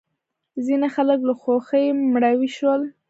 ځینې خلک له خوښۍ مړاوې شول.